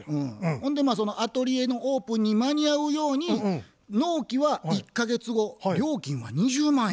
ほんでそのアトリエのオープンに間に合うように納期は１か月後料金は２０万円。